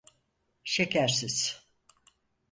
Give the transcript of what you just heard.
Şekersiz.